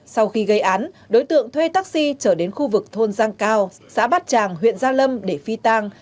sau khi gây án đối tượng thuê taxi trở đến khu vực thôn giang cao xã bát tràng huyện gia lâm để phi tang